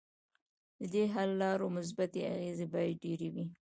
ددې حل لارو مثبتې اغیزې باید ډیرې وي.